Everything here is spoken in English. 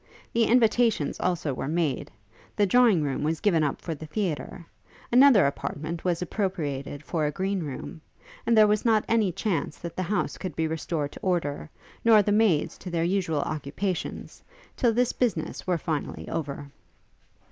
The invitations, also, were made; the drawing room was given up for the theatre; another apartment was appropriated for a green room; and there was not any chance that the house could be restored to order, nor the maids to their usual occupations, till this business were finally over.